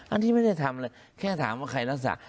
อันนี้ไม่ได้ทำเลยแค่ถามว่าใครรักษา